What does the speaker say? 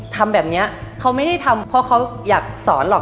ทำแบบนี้เขาไม่ได้ทำเพราะเขาอยากสอนหรอก